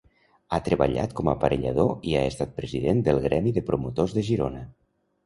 Ha treballat com a aparellador i ha estat president del Gremi de Promotors de Girona.